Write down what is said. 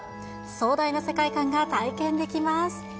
壮大な世界観が体験できます。